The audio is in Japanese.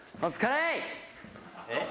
えっ？